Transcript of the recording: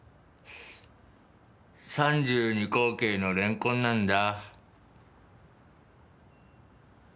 ３２口径のレンコンなんだ。